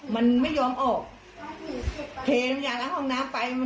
มันไม่ยอมออกเทน้ำยาล้างห้องน้ำไป